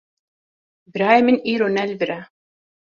Birayê min îro ne li vir e.